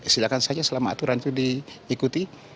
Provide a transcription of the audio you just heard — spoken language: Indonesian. silakan saja selama aturan itu diikuti